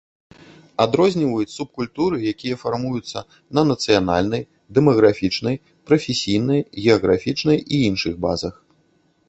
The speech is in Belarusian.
Адрозніваюць субкультуры, якія фармуюцца на нацыянальнай, дэмаграфічнай, прафесійнай, геаграфічнай і іншых базах.